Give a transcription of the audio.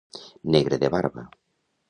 Negre de barba.